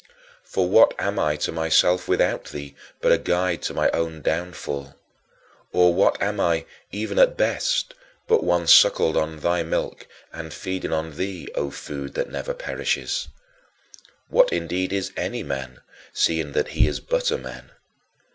" For what am I to myself without thee but a guide to my own downfall? Or what am I, even at the best, but one suckled on thy milk and feeding on thee, O Food that never perishes? What indeed is any man, seeing that he is but a man?